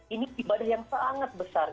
ini ibadah yang sangat besar